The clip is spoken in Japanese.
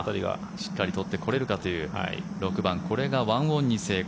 しっかり取ってこれるかという６番、これが１オンに成功。